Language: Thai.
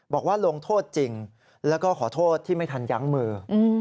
บอกว่าลงโทษจริงแล้วก็ขอโทษที่ไม่ทันยั้งมือ